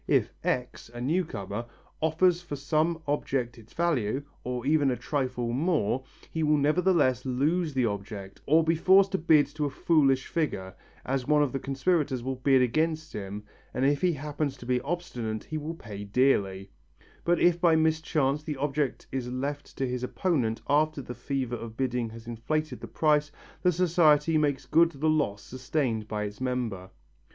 If X., a new comer, offers for some object its value, or even a trifle more, he will nevertheless lose the object or be forced to bid to a foolish figure, as one of the conspirators will bid against him and if he happens to be obstinate he will pay dearly, but if by mischance the object is left to his opponent after the fever of bidding has inflated the price, the society makes good the loss sustained by its member.